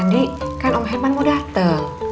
nanti kan om herman mau dateng